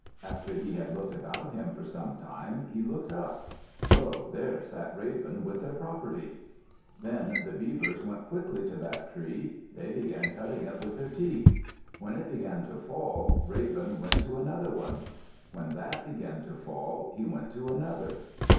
After he had looked about him for some time, he looked up. Lo, there sat Raven with their property! Then the Beavers went quickly to that tree. They began cutting it with their teeth. When it began to fall, Raven went to another one. When that began to fall, he went to another.